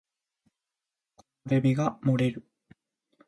木漏れ日が漏れる